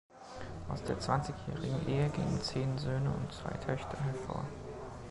Aus der zwanzigjährigen Ehe gingen zehn Söhne und zwei Töchter hervor.